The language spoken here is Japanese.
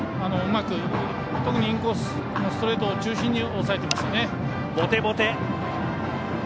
うまく特にインコースストレートを中心に抑えていますね。